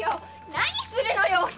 何するのよお久！